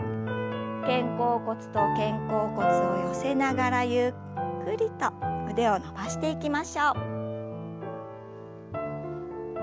肩甲骨と肩甲骨を寄せながらゆっくりと腕を伸ばしていきましょう。